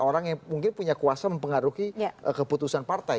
orang yang mungkin punya kuasa mempengaruhi keputusan partai